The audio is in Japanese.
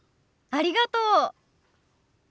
ありがとう。